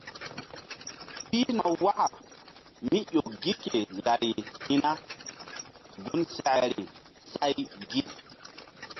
Pihna waka mí ƴo gi ke lari hi̧ na gun sekeri say gi.